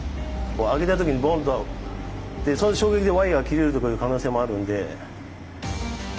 その衝撃でワイヤーが切れるとかいう可能性もあるんで。